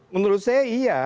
menurut saya iya